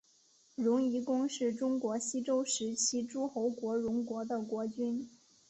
荣夷公是中国西周时期诸侯国荣国的国君。